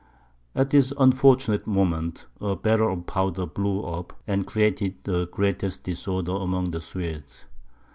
At this unfortunate moment, a barrel of powder blew up, and created the greatest disorder among the Swedes.